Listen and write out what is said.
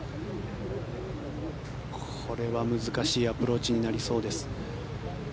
これは難しいアプローチになりそうです。